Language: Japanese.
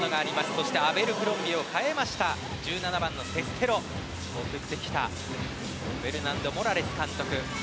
そしてアベルクロンビエを代えて１７番のセステロを送ってきたフェルナンド・モラレス監督。